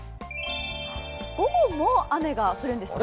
午後も雨が降るんですね？